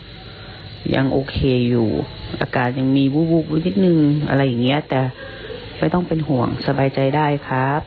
อากาศยังมีวุกนิดนึงอะไรอย่างนี้แต่ไม่ต้องเป็นห่วงสบายใจได้ครับ